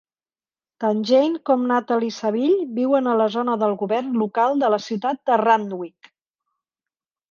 Tant Jane com Natalie Saville viuen a la zona del govern local de la ciutat de Randwick.